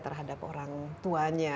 terhadap orang tuanya